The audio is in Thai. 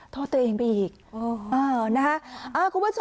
โทษเธอเองไปอีกอ่านะฮะอ่าคุณผู้ชม